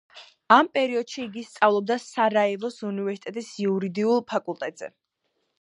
ამ პერიოდში იგი სწავლობდა სარაევოს უნივერსიტეტის იურიდიულ ფაკულტეტზე.